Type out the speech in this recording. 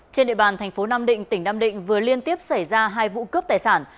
trên địa bàn tp nam định tỉnh nam định vừa liên tiếp xảy ra hai vụ cướp tài sản